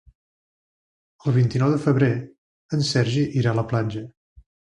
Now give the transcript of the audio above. El vint-i-nou de febrer en Sergi irà a la platja.